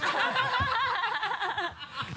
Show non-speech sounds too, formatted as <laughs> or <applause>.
ハハハ <laughs>